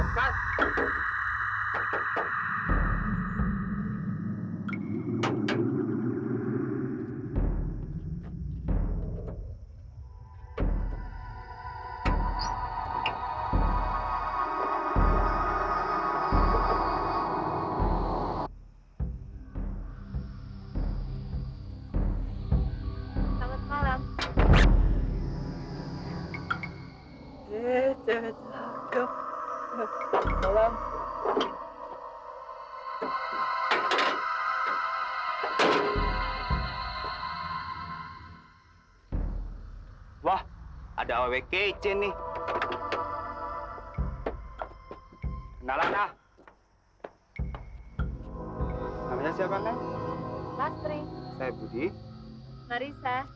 kenapa ini jalan sendiri